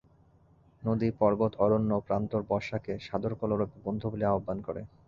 নদী-পর্বত-অরণ্য-প্রান্তর বর্ষাকে সাদর কলরবে বন্ধু বলিয়া আহ্বান করে।